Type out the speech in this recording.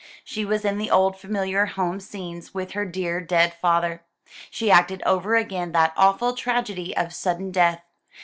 She was in the old familiar home scenes with her dear dead father. She acted over again that awful tragedy of sudden death.